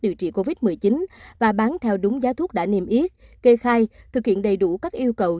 điều trị covid một mươi chín và bán theo đúng giá thuốc đã niêm yết kê khai thực hiện đầy đủ các yêu cầu